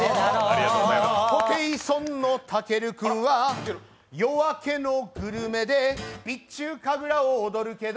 ホテイソンのたける君は「夜明けのグルメ」で備中神楽を踊るけど